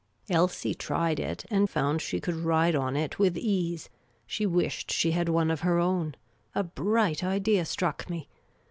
Klsie tried it, and found she could ride on it with ease. She wished she had one of her own. A bright idea struck me.